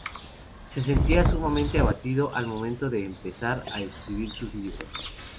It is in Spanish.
Se sentía sumamente abatido al momento de empezar a escribir sus libros.